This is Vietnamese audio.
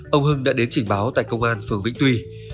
ông hưng đã đến chỉnh báo tại công an phường vĩnh tùy